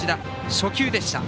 初球でした。